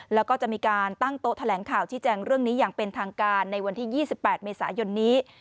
แล้วก็จะมีการตั้งโต๊ะแถลงข่าวชี้แจงเรื่องนี้อย่างเป็นทางการในวันที่๒๘เมษายนนี้